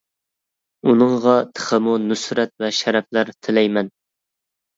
ئۇنىڭغا تېخىمۇ نۇسرەت ۋە شەرەپلەر تىلەيمەن!